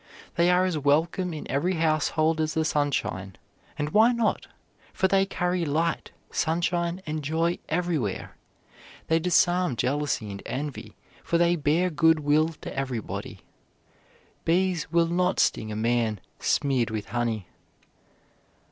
They are as welcome in every household as the sunshine; and why not? for they carry light, sunshine, and joy everywhere. They disarm jealousy and envy, for they bear good will to everybody. Bees will not sting a man smeared with honey.